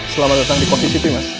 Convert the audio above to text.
selamat datang di coffe city mas